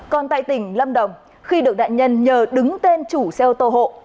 còn tại tỉnh lâm đồng khi được nạn nhân nhờ đứng tên chủ xe ô tô hộ